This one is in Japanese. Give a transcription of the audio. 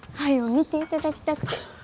見ていただきたくて。